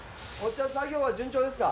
ちゃん作業は順調ですか？